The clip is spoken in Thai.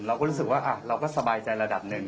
เราก็รู้สึกว่าเราก็สบายใจระดับหนึ่ง